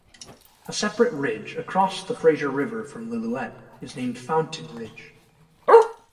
A separate ridge across the Fraser River from Lillooet is named Fountain Ridge.